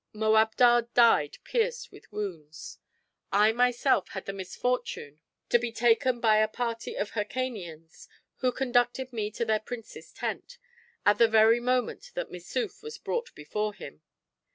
Moabdar died pierced with wounds. I myself had the misfortune to be taken by a party of Hircanians, who conducted me to their prince's tent, at the very moment that Missouf was brought before him.